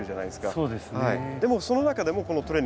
そうですね。